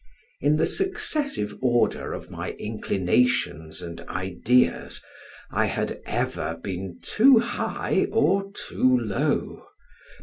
In the successive order of my inclinations and ideas, I had ever been too high or too low.